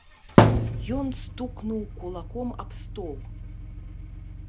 Ён стукнуў кулаком аб стол.